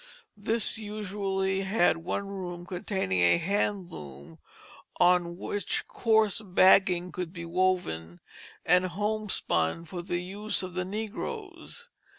This usually had one room containing a hand loom on which coarse bagging could be woven, and homespun for the use of the negroes.